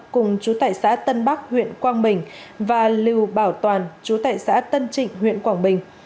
cùng chú tại xã tân bắc huyện quang bình và lưu bảo toàn chú tại xã tân trịnh huyện quảng bình